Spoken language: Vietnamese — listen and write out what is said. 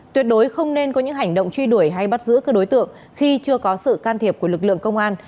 tuyệt đối không nên có những hành động truy đuổi hay bắt giữ các đối tượng khi chưa có sự can thiệp của lực lượng công an